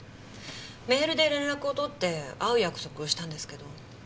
メールで連絡を取って会う約束をしたんですけど。